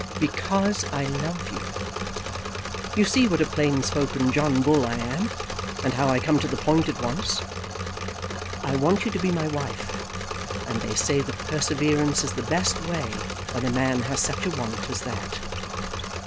"Because I love you. You see what a plain spoken John Bull I am, and how I come to the point at once. I want you to be my wife; and they say that perseverance is the best way when a man has such a want as that."